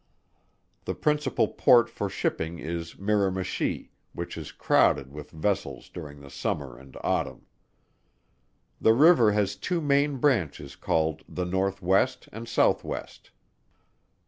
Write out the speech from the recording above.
The principal port for shipping is Miramichi, which is crowded with vessels during the summer and autumn. The river has two main branches called the northwest and southwest.